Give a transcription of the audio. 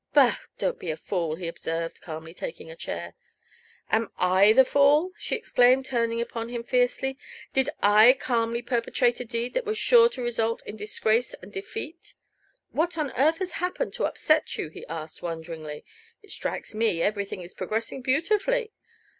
"Bah! don't be a fool," he observed, calmly taking a chair. "Am I the fool?" she exclaimed, turning upon him fiercely. "Did I calmly perpetrate a deed that was sure to result in disgrace and defeat?" "What on earth has happened to upset you?" he asked, wonderingly. "It strikes me everything is progressing beautifully."